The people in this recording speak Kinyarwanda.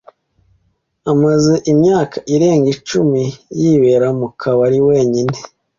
Amaze imyaka irenga icumi yibera mu kabari wenyine.